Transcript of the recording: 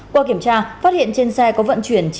qua kiểm tra phát hiện trên xe có vận chuyển